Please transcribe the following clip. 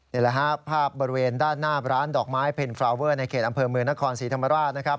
นี่แหละฮะภาพบริเวณด้านหน้าร้านดอกไม้เพ็ญฟราเวอร์ในเขตอำเภอเมืองนครศรีธรรมราชนะครับ